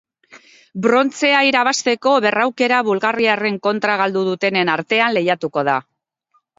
Brontzea irabazteko berraukera bulgariarren kontra galdu dutenen artean lehiatuko da.